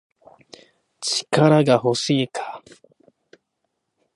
力が欲しいか